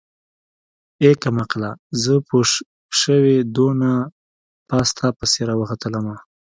ای کمقله زه پوشوې دونه پاس تاپسې راوختلمه.